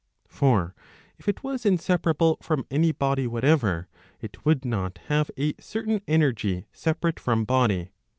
For if it was inseparable from any body whatever, it would not have a certain energy separate from body.'